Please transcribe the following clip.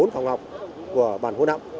bốn phòng học của bàn hôn ẩm